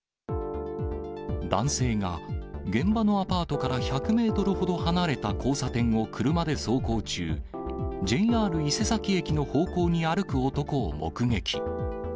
男性が、現場のアパートから１００メートルほど離れた交差点を車で走行中、ＪＲ伊勢崎駅の方向に歩く男を目撃。